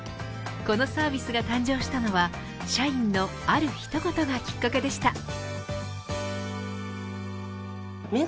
このサービスが誕生したのは社員のある一言がきっかけでした。